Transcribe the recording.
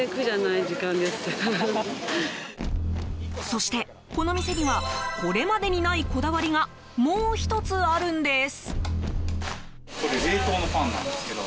そして、この店にはこれまでにないこだわりがもう１つあるんです。